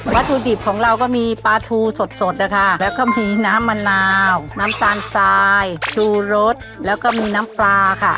วัตถุดิบของเราก็มีปลาทูสดสดนะคะแล้วก็มีน้ำมะนาวน้ำตาลทรายชูรสแล้วก็มีน้ำปลาค่ะ